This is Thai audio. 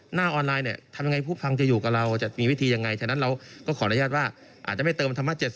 หน้าออนไลน์ทำอย่างไรพวกฟังจะอยู่กับเราจะมีวิธีอย่างไร